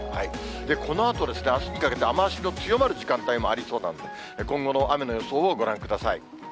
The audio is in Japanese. このあと、あすにかけて雨足の強まる時間帯もありそうなので、今後の雨の予想をご覧ください。